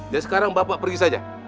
jadi sekarang bapak pergi saja